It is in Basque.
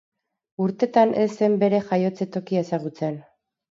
Urtetan ez zen bere jaiotze tokia ezagutzen.